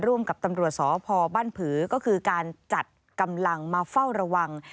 ร่วมกับตำรวจสพบ้านผือก็คือการจัดกำลังมาเฝ้าระวัง